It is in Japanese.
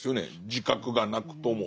自覚がなくとも。